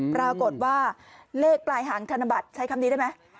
ปรากฏว่าเลขปลายหางธนบัตรใช้คำนี้ได้ไหม